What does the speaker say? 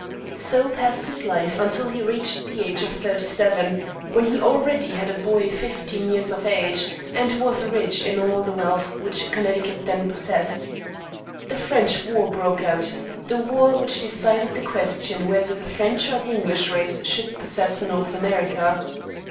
So passed his life until he reached the age of thirty seven, when he already had a boy fifteen years of age, and was rich in all the wealth which Connecticut then possessed. The French war broke out the war which decided the question whether the French or the English race should possess North America.